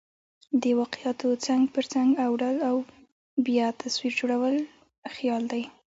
د واقعاتو څنګ پر څنګ اوډل او بیا تصویر جوړل خیال دئ.